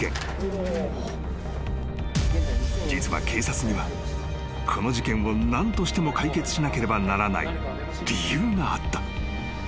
［実は警察にはこの事件を何としても解決しなければならない理由があった］